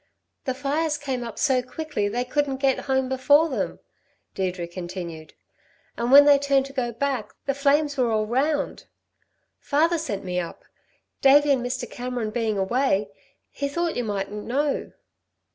"The fires came up so quickly they couldn't get home before them," Deirdre continued. "And when they turned to go back the flames were all round. Father sent me up. Davey and Mr. Cameron being away, he thought you mightn't know."